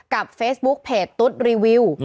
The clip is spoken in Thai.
กับเฟซบุ๊กเพจตุ๊ดรีวิว